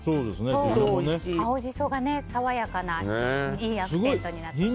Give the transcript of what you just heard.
青ジソが爽やかないいアクセントになっていますね。